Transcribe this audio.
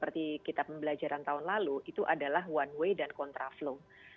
di kitab pembelajaran tahun lalu itu adalah one way dan kontraflung